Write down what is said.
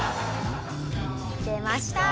出ました！